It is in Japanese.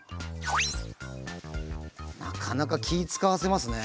なかなか気遣わせますね。